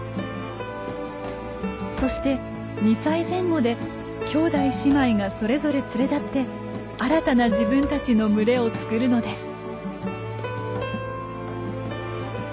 そして２歳前後で兄弟姉妹がそれぞれ連れ立って新たな自分たちの群れをつくるのです。